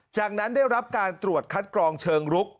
จากนั้นได้รับการตรวจคัดกรองเชิงรุก